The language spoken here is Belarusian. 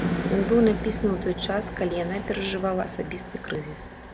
Ён быў напісаны ў той час, калі яна перажывала асабісты крызіс.